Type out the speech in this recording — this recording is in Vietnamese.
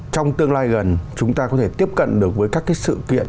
trong tương lai gần chúng ta có thể tiếp cận được với các cái sự kiện